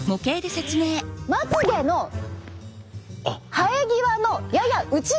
まつげの生え際のやや内側！